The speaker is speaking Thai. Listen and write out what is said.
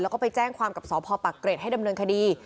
แล้วก็ไปแจ้งความกับสพปักเกร็ดให้ดำเนินคดี